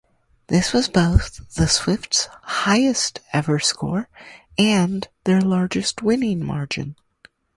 This was both the Swifts highest ever score and their largest winning margin.